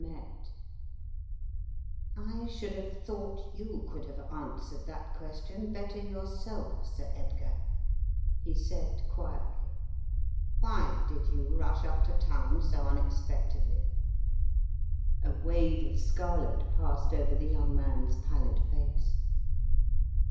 Tightening the Strands 149 €€• I should have thought you could have answered that question better yourself, Sir Edgar," he said, quietly, "Why did you rush up to town so unex pectedly?" A wave of scarlet passed over the young man's pallid face.